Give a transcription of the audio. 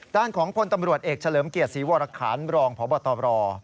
ด้านของพลตำรวจเอกเฉลิมเกียรติศรีวรคารรองพบตร